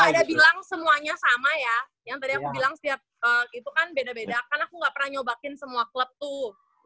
saya bilang semuanya sama ya yang tadi aku bilang setiap itu kan beda beda kan aku gak pernah nyobakin semua klub tuh